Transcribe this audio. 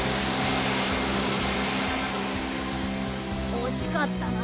おしかったな